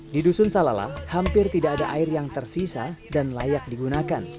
di dusun salalah hampir tidak ada air yang tersisa dan layak digunakan